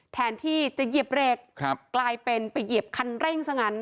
แทนที่จะหยิบเลขกลายเป็นไปหยิบคันเร่งซะงั้น